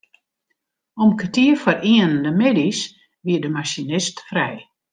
Om kertier foar ienen de middeis wie de masinist frij.